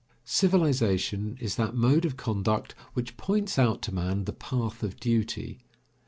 Civilization is that mode of conduct which points out to man the path of duty.